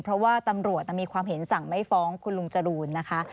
เพราะว่าตำรวจมีความเห็นสั่งไม่ฟ้องคุณลุงจรูนนะคะ